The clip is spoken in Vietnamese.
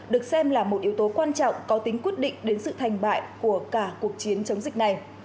được xem là một yếu tố quan trọng có tính quyết định đến sự thành bại của cả cuộc chiến chống dịch này